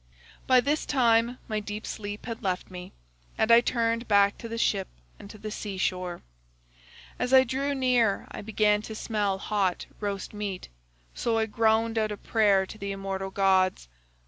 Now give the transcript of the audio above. "By this time my deep sleep had left me, and I turned back to the ship and to the sea shore. As I drew near I began to smell hot roast meat, so I groaned out a prayer to the immortal gods.